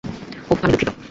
ওহ, আমি দুঃখিত।